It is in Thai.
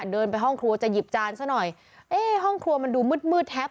เดินไปห้องครัวจะหยิบจานซะหน่อยเอ๊ะห้องครัวมันดูมืดมืดแทบ